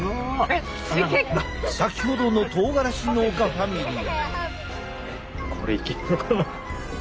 先ほどのとうがらし農家ファミリー。